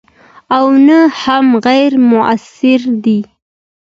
او نه هم غیر موثرې دي.